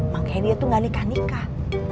makanya dia tuh gak nikah nikah